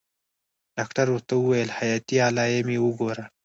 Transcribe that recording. ډاکتر ورته وويل حياتي علايم يې وګوره.